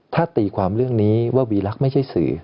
ถ้าตีความเรื่องนี้ว่าวีลักษณ์ไม่ใช่สื่อ